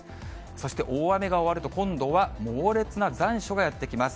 そして大雨が終わると、今度は猛烈な残暑がやって来ます。